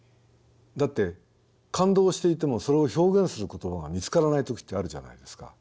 だって感動していてもそれを表現する言葉が見つからない時ってあるじゃないですか。